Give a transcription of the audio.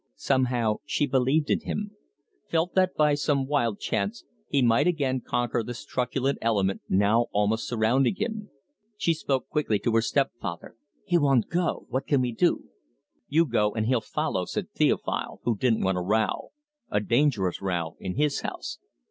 Somehow she believed in him, felt that by some wild chance he might again conquer this truculent element now almost surrounding him. She spoke quickly to her step father. "He won't go. What can we do?" "You go, and he'll follow," said Theophile, who didn't want a row a dangerous row in his house.